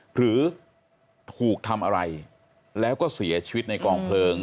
หรือถูกทำอะไรแล้วก็เสียชีวิตในกองเพลิง